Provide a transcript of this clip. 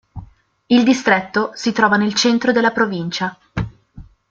Il distretto si trova nel centro della provincia.